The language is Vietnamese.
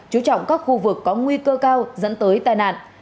chú trọng các khu vực có nguy cơ cao dẫn tới tai nạn